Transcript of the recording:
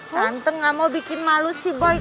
tante gak mau bikin malu si boy